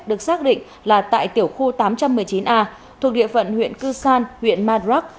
được xác định là tại tiểu khu tám trăm một mươi chín a thuộc địa phận huyện cư san huyện madrak